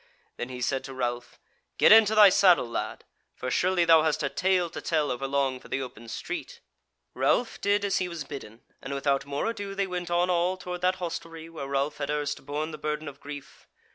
Then he said to Ralph: "Get into thy saddle, lad; for surely thou hast a tale to tell overlong for the open street." Ralph did as he was bidden, and without more ado they went on all toward that hostelry where Ralph had erst borne the burden of grief.